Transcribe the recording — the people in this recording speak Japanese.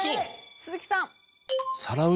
鈴木さん。